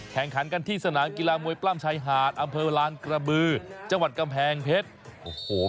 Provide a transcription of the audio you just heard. แข่งขันกันที่สนามกีฬามวยปล้ำชายหาดอำเภอลานกระบือจังหวัดกำแพงเพชรโอ้โห